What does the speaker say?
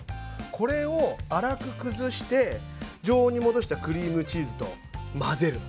これを粗く崩して常温に戻したクリームチーズと混ぜる。